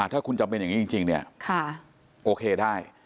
ถ้าคุณจำเป็นอย่างนี้จริงเนี่ยโอเคได้